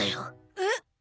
えっ？